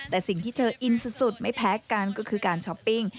แต่สิ่งที่เธออินสุดไม่แพ้กันก็คือการช้อปปิ้ง